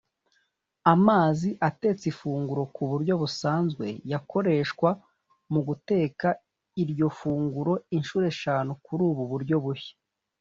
Amazi atetse ifunguro ku buryo busanzwe yakoreshwa mu guteka iryo funguro inshuro eshanu kuri ubu buryo bushya